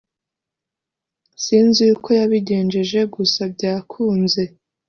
sinzi uko yabigenjeje gusa byakunze